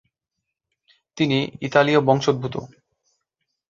তিনি ইতালীয় বংশোদ্ভূত।